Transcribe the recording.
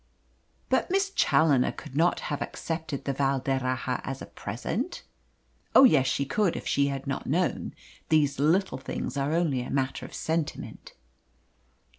"But Miss Challoner could not have accepted the Val d'Erraha as a present?" "Oh yes, she could, if she had not known. These little things are only a matter of sentiment."